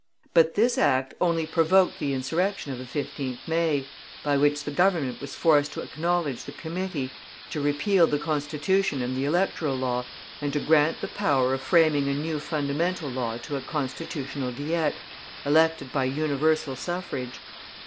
But this act only provoked the insurrection of the 15th May, by which the Government was forced to acknowledge the Committee, to repeal the Constitution and the Electoral Law and to grant the power of framing a new Fundamental Law to a Constitutional Diet, elected by universal suffrage.